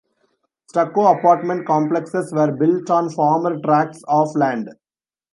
Stucco apartment complexes were built on former tracts of land.